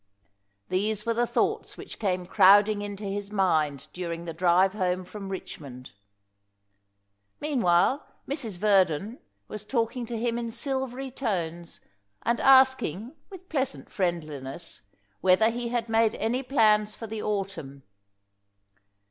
These were the thoughts which came crowding into his mind during the drive home from Richmond. Meanwhile Mrs. Verdon was talking to him in silvery tones, and asking, with pleasant friendliness, whether he had made any plans for the autumn.